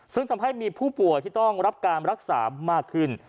ซึ่งทำให้มีผู้ป่วยที่ต้องรับการรักษามากขึ้น